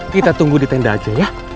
kita tunggu di tenda aja ya